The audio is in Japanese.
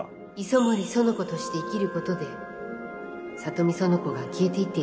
磯森苑子として生きることで里見苑子が消えていっているような